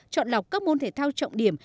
chọn lọc các môn thể thao trọng điểm